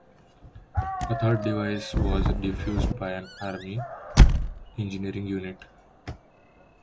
A third device was defused by an army engineering unit.